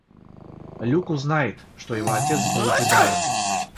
Люк узнает, что его отец был джедаем